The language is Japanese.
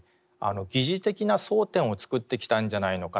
疑似的な争点を作ってきたんじゃないのかという。